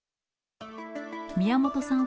宮本さん